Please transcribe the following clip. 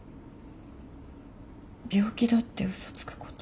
病気だってうそつくこと。